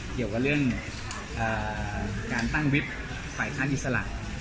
เกี่ยวกับเรื่องการตั้งวิบฝ่ายค้านอิสระ